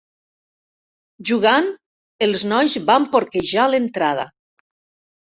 Jugant, els nois van porquejar l'entrada.